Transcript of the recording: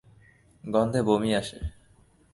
গন্ধে বমি আসে।